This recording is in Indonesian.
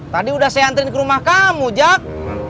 tadi udah saya anterin ke rumah kamu jak